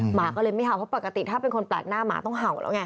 หมาก็เลยไม่เห่าเพราะปกติถ้าเป็นคนแปลกหน้าหมาต้องเห่าแล้วไง